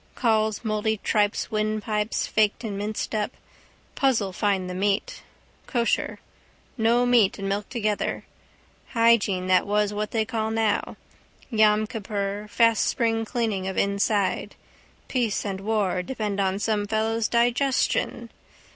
Cauls mouldy tripes windpipes faked and minced up. Puzzle find the meat. Kosher. No meat and milk together. Hygiene that was what they call now. Yom Kippur fast spring cleaning of inside. Peace and war depend on some fellow's digestion.